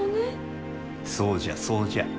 そうじゃそうじゃ。